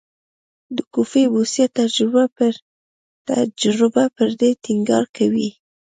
د کوفي بوسیا تجربه پر دې ټینګار کوي.